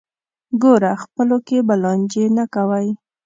ګوره خپلو کې به لانجې نه کوئ.